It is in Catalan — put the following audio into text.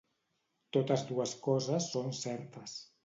Totes dues coses són certes.